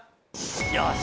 よし。